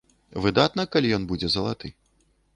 Выдатна, калі ён будзе залаты.